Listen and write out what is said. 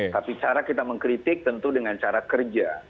tapi cara kita mengkritik tentu dengan cara kerja